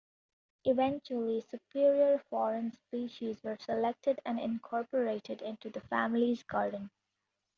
Eventually superior foreign species were selected and incorporated into the family's garden.